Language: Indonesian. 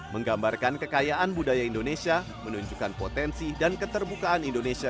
menggambarkan kekayaan budaya indonesia menunjukkan potensi dan keterbukaan indonesia